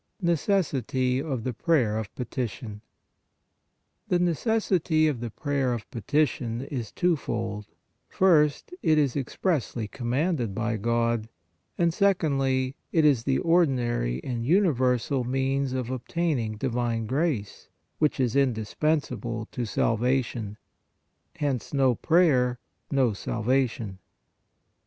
NECESSITY OF THE PRAYER OF PETITION The necessity of the prayer of petition is two fold: first, it is expressly commanded by God, and secondly, it is the ordinary and universal means of obtaining divine grace, which is indispensable to salvation. Hence no prayer, no salvation.